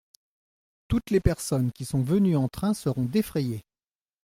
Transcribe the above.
Toutes les personnes qui sont venues en train seront défrayées.